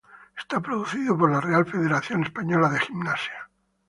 Está producido por la Real Federación Española de Gimnasia.